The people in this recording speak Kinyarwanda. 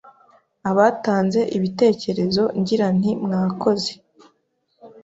abatanze ibitekerezo ngira nti mwakoze